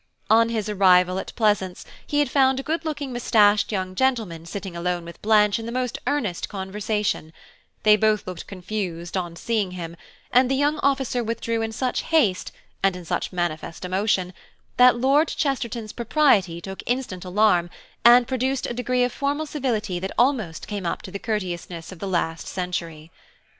On his arrival at Pleasance, he had found a good looking moustached young gentleman sitting alone with Blanche in the most earnest conversation; they both looked confused on seeing him, and the young officer withdrew in such haste, and in such manifest emotion, that Lord Chesterton's propriety took instant alarm and produced a degree of formal civility that almost came up to the courteousness of the last century.